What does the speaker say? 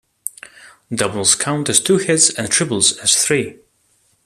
Doubles count as two hits and triples as three.